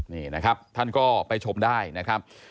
นี่นะครับท่านก็ไปชมได้นะครับ